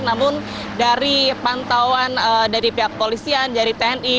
namun dari pantauan dari pihak polisian dari tni